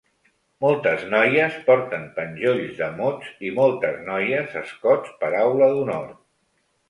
Moltes noies porten penjolls de mots i moltes noies escots paraula d'honor.